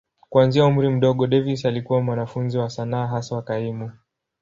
Kuanzia umri mdogo, Davis alikuwa mwanafunzi wa sanaa, haswa kaimu.